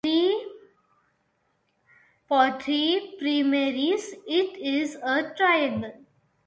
For three primaries, it is a triangle.